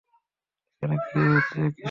এখানে কী হচ্ছে, কিচ্যানার?